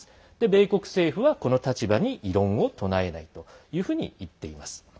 米国政府は、この立場に異論を唱えないというふうにいっています。